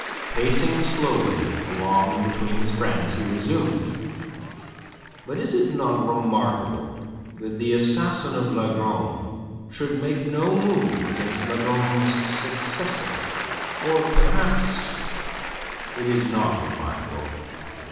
Pacing slowly along between his friends he resumed: "But is it not remarkable that the assassin of Lagron should make no move against Lagron's successor? Or perhaps it is not remarkable.